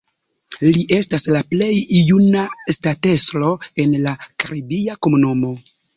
Li estas la plej juna ŝtatestro en la Karibia Komunumo.